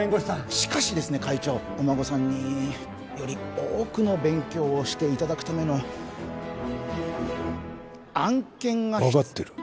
しかしですね会長お孫さんにより多くの勉強をしていただくための案件が分かってる